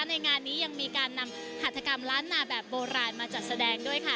ในงานนี้ยังมีการนำหัตถกรรมล้านนาแบบโบราณมาจัดแสดงด้วยค่ะ